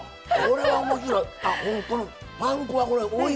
これは面白い！